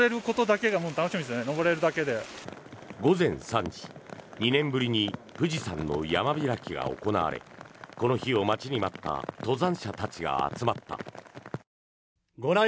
午前３時、２年ぶりに富士山の山開きが行われこの日を待ちに待った登山者たちが集まった。